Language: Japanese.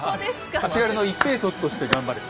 足軽の一兵卒として頑張る。